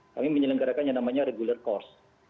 kami menyelenggarakan yang namanya regular course